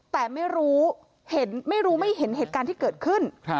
แต่ไม่รู้ไม่เห็นเหตุการณ์ที่เกิดขึ้น